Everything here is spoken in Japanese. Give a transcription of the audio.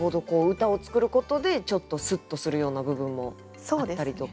歌を作ることでちょっとスッとするような部分もあったりとか。